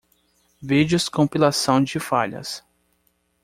Vídeos compilação de falhas.